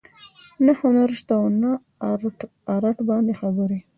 نه هنر شته او نه ارټ باندې خبرې